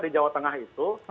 di jawa tengah itu